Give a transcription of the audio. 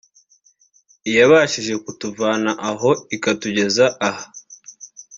Iyabashije kutuvana aho ikatugeza aha